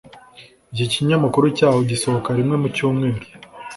Iki kinyamakuru cyaho gisohoka rimwe mu cyumweru.